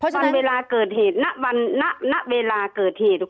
วันเวลาเกิดเหตุณวันณเวลาเกิดเหตุ